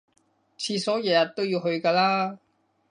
廁所日日都要去㗎啦